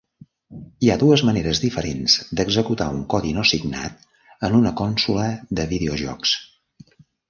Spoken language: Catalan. Hi ha dues maneres diferents d'executar un codi no signat en una consola de videojocs.